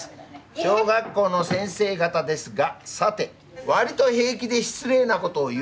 「小学校の先生がたです」が「さてわりと平気で失礼なことを言うのはどの先生？」。